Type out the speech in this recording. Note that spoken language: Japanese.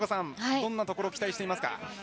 どんなところに期待していますか。